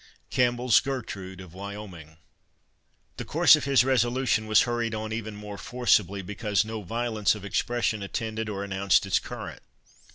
CAMPBELL'S Gertrude of Wyoming. The course of his resolution was hurried on even more forcibly, because no violence of expression attended or announced its current.